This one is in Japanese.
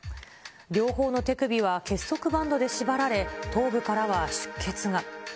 両方の手首は結束バンドで縛られ、頭部からは出血が。